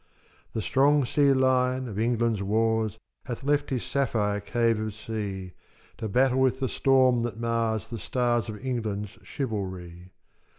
The strong sea lion of England's wars Hath left his sapphire cave of sea, To battle with the storm that mars The stars of England's chivalry.